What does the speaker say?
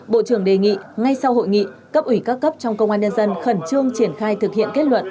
bộ trưởng đề nghị ngay sau hội nghị cấp ủy các cấp trong công an nhân dân khẩn trương triển khai thực hiện kết luận